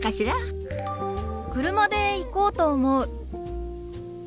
車で行こうと思う。